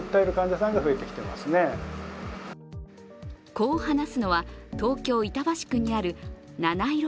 こう話すのは、東京・板橋区にあるなないろ